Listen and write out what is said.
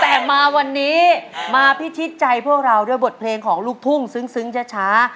แต่มาวันนี้มาพิชิตใจพวกเราด้วยบทเพลงของลูกทุ่งซึ้งช้า